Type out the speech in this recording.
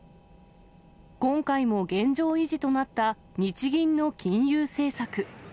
今回も現状維持となった日銀の金融政策。